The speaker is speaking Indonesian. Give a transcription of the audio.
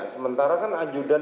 sementara kan ajudan